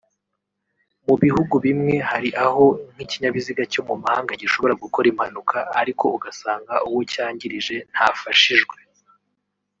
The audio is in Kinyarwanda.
Mu bihugu bimwe hari aho nk’ikinyabiziga cyo mu mahanga gishobora gukora impanuka ariko ugasanga uwo cyangirije ntafashijwe